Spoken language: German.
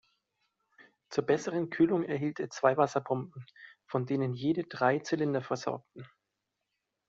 Zur besseren Kühlung erhielt er zwei Wasserpumpen, von denen jede drei Zylinder versorgten.